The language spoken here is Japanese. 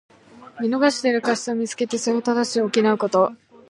見逃している過失をみつけて、それを正し補うこと。